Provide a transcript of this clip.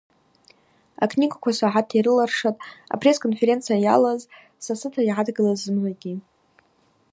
Акнигаква согӏата йрыларшатӏ апресс-конференция йалаз, сасыта йгӏадгылыз зымгӏвагьи.